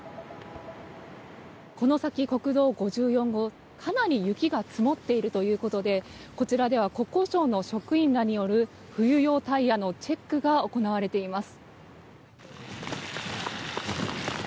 この先国道５４号かなり雪が積もっているということでこちらでは国交省の職員らによる冬用タイヤのチェックが行われています。